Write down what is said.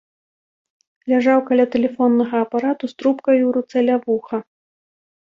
Ляжаў каля тэлефоннага апарату з трубкаю ў руцэ ля вуха.